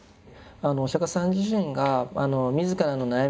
お釈迦様自身が自らの悩み